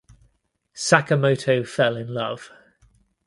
Sakamoto fell in love.